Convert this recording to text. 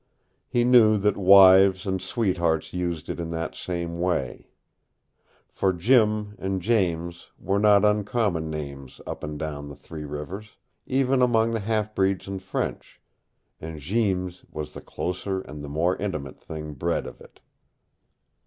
He knew that wives and sweethearts used it in that same way. For Jim and James were not uncommon names up and down the Three Rivers, even among the half breeds and French, and Jeems was the closer and more intimate thing bred of it.